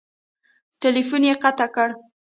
ټیلیفون یې قطع کړ !